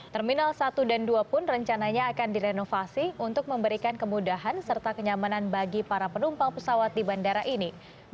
terminal satu dan dua pun rencananya akan direnovasi untuk memberikan kemudahan serta kenyamanan bagi para penumpang pesawat di bandara ini